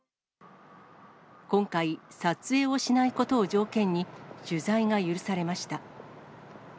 今回、撮影をしないことを条件に、取材が許されました。